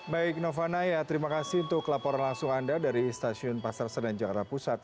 baik nova naya terima kasih untuk laporan langsung anda dari stasiun pasar senen jakarta pusat